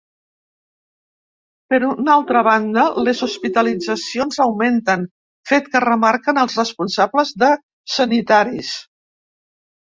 Per una altra banda, les hospitalitzacions augmenten, fet que remarquen els responsables de sanitaris.